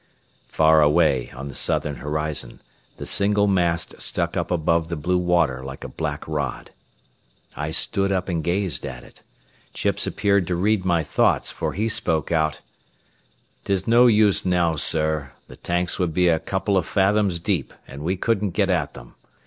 Far away on the southern horizon, the single mast stuck up above the blue water like a black rod. I stood up and gazed at it. Chips appeared to read my thoughts, for he spoke out: "'Tis no use now, sir; the tanks would be a couple o' fathoms deep, an' we couldn't get at them.